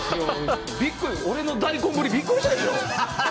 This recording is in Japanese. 俺の大根ぶりびっくりしたでしょ？